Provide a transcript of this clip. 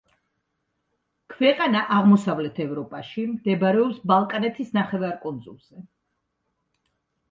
ქვეყანა აღმოსავლეთ ევროპაში, მდებარეობს ბალკანეთის ნახევარკუნძულზე.